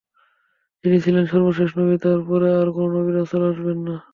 যিনি ছিলেন সর্বশেষ নবী, তার পরে আর কোন নবী-রাসূল আসবেন না।